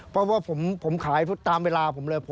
เพราะว่าผมขายตามเวลาผมเลย